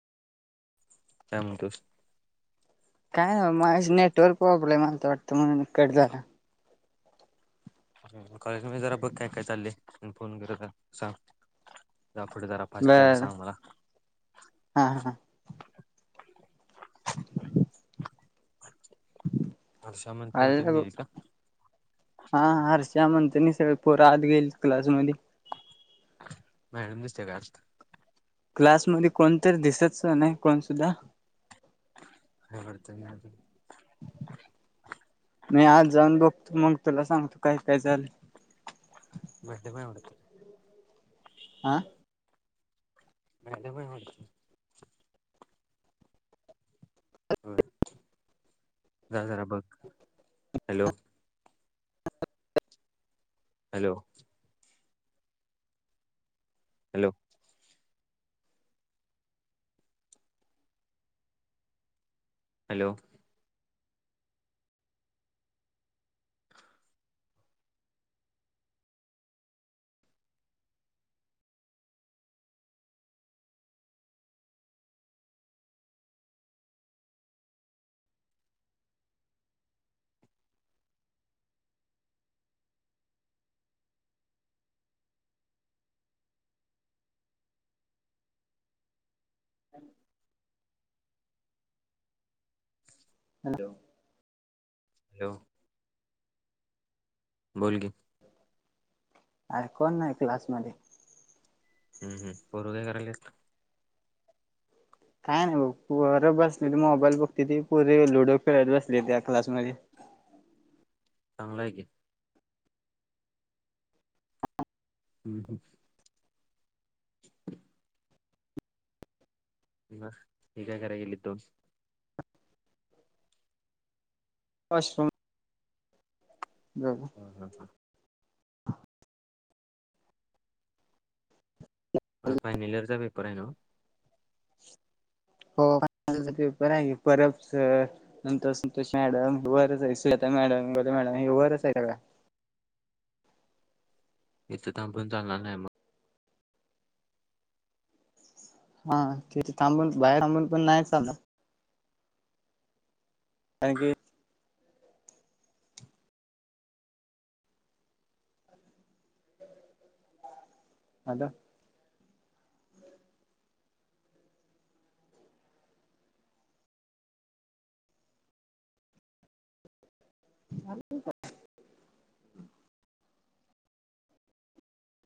कायं म्हणतोस कायं नां मायां नेटवर्क प्रॉब्लेम आल्यां वाटंत म्हणूंन कंट झालां कॉलेज म जरां बघं कायं कायं चालंय फोन करं सांग जां पुढे जरां वाटलं बर सांभाळा हा हा [unintelligible] अश्या मंत्री मी हांय कां हां हां हर्षा म्हणतं नाहीं सगळें पोरं आंत गेलती क्लासमध्यें मॅडम दिसतेय कां आंत क्लासमध्यें कोणतरी दिसतंच नाहीं कोणं सुद्धां हा [inaudible] [unintelligible] मी आंत जाऊंन बघतो मंग तुलां सांगतो कायं कायं झालं [inaudible] [unintelligible] आं मॅडम हो हो जां जरां बघं हॅलो [unintelligible] [unintelligible] हॅलो हॅलो हॅलो [unintelligible] हं हॅलो हॅलो बोलं की अरे कोणं नाही क्लास मध्यें हम्मं हम्मं पोरं कायं कारत्यांत कायं नाहीं बघं पोरं बसलेली मोबाईल बघतेती पोरं लुडो खेळांत बसले त्यां क्लासमध्यें चांगलं आहे की हम्मं हम्मं [unintelligible] बरं ती कायं करायली [unintelligible] हो हं हां हां फांयनल इयरचां पेपर आहे न्हवं हो फायनल इयंर पेपर आहे की परतं नंतर Santosh madam [unintelligible] Sujata madam Gole madam हे वरच आहे का काय इथं थबून चालणार नाहीमग. हा तेच थांबून बाहेर थांबून पण नाही चालणार. [unintelligible] आलं. [unintelligible]